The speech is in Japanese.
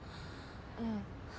うん。